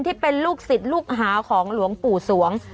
ที่เป็นลูกศิษย์ลูกหาของหลวงปู่สวง